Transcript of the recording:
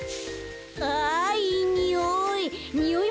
あいいにおい。